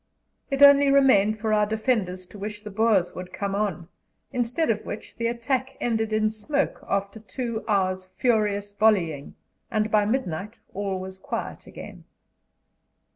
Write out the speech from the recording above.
It only remained for our defenders to wish the Boers would come on, instead of which the attack ended in smoke, after two hours' furious volleying, and by midnight all was quiet again.